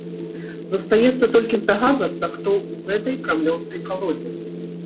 Застаецца толькі здагадвацца, хто ў гэтай крамлёўскай калодзе.